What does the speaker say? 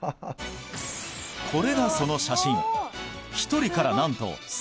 これがその写真